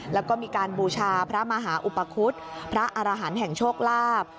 แล้วก็มีการบูชาพระมหาอุปคุฎพระอารหันต์แห่งโชคลาภ